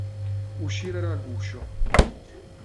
Uscire dal guscio.